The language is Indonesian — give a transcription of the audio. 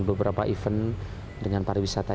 beberapa event dengan pariwisata